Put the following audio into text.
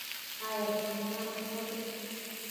آیا سینما هنر دی؟